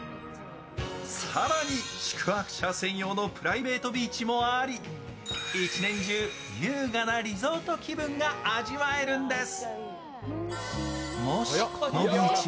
更に、宿泊者専用のプライベートビーチもあり、一年中、優雅なリゾート気分が味わえるんです。